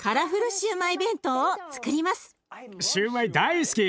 シューマイ大好き。